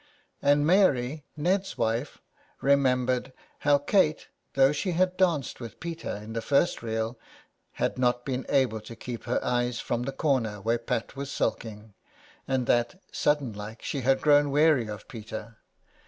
And Mary, Ned's wife, remembered how Kate, though she had danced with Peter in the first reel, had not been able to keep her eyes from the corner where Pat sat sulking, and that, sudden like, she had grown weary of Peter.